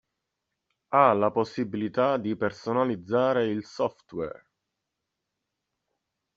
Ha la possibilità di personalizzare il software.